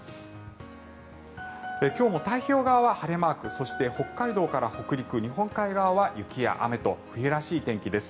今日も太平洋側は晴れマークそして北海道から北陸日本海側は雪や雨と、冬らしい天気です。